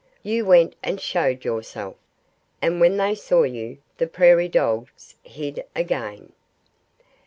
"You went and showed yourself. And when they saw you, the Prairie Dogs hid again."